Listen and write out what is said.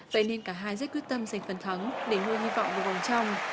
vậy nên cả hai rất quyết tâm giành phần thắng để nuôi hy vọng vào vòng trong